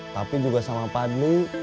tapi juga sama padli